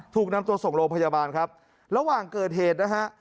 ถูกนำตัวส่งโรงพยาบาลครับระหว่างเกิดเหตุนะฮะ